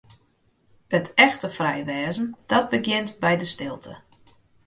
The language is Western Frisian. It echte frij wêzen, dat begjint by de stilte.